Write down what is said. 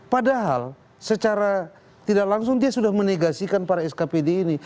padahal secara tidak langsung dia sudah menegasikan para skpd ini